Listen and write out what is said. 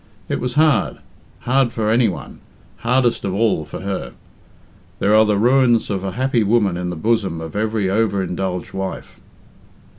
It was hard hard for any one, hardest of all for her. There are the ruins of a happy woman in the bosom of every over indulged wife.